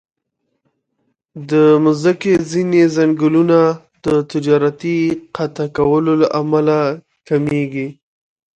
د مځکې ځینې ځنګلونه د تجارتي قطع کولو له امله کمېږي.